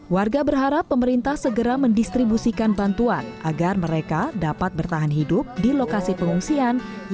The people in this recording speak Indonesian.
warga berharap pemerintah segera mendistribusikan bantuan agar mereka dapat bertahan hidup di lokasi pengungsian